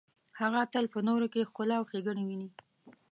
هغه تل په نورو کې ښکلا او ښیګڼې ویني.